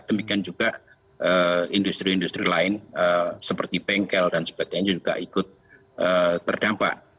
demikian juga industri industri lain seperti bengkel dan sebagainya juga ikut terdampak